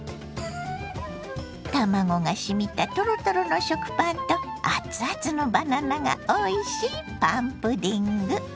卵がしみたトロトロの食パンとあつあつのバナナがおいしいパンプディング。